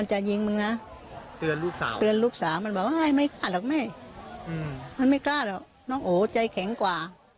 จุปับไหนค่ะ